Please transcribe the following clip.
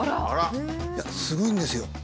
あら！いやすごいんですよ！